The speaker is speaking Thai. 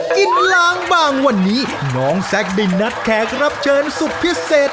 กินล้างบางวันนี้น้องแซคได้นัดแขกรับเชิญสุดพิเศษ